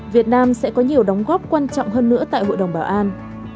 việt nam sẽ có nhiều đóng góp quan trọng hơn nữa tại hội đồng bảo an